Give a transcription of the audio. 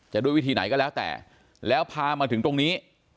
ด้วยวิธีไหนก็แล้วแต่แล้วพามาถึงตรงนี้